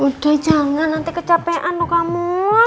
udah jangan nanti kecapean loh kamu